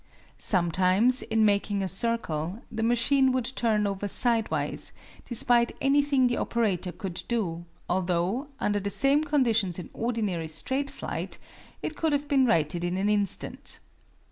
Sometimes, in making a circle, the machine would turn over sidewise despite anything the operator could do, although, under the same conditions in ordinary straight flight, it could have been righted in an instant.